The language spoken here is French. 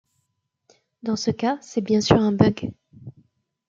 Dans ce cas, c'est bien sûr un bug.